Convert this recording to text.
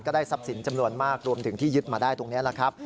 ได้ทรัพย์สินจำนวนมากรวมถึงที่ยึดมาได้ตรงนี้แหละครับ